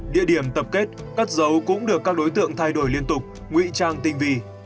địa điểm tập kết cất dấu cũng được các đối tượng thay đổi liên tục ngụy trang tinh vi